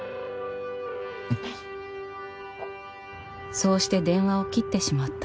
そうして電話を切ってしまった。